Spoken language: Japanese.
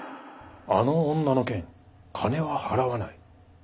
あの女の件金は払わない。